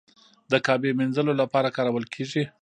د کعبې مینځلو لپاره کارول کیږي.